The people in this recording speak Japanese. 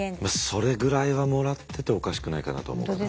それぐらいはもらってておかしくないかなと思うなあ。